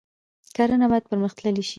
کرنه باید پرمختللې شي